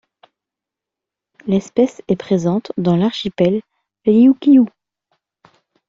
L'espèce est présente dans l'archipel Ryūkyū.